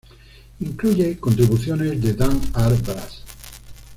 Incluye contribuciones de Dan Ar Braz.